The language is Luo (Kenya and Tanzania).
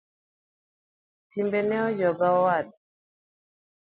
Timbene ojoga owada.